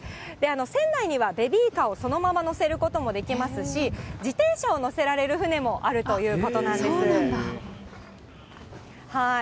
船内にはベビーカーをそのまま載せることもできますし、自転車を載せられる船もあるということなんです。